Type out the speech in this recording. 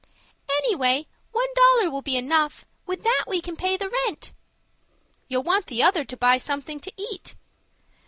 "Any way, one dollar will be enough. With that we can pay the rent." "You'll want the other to buy something to eat."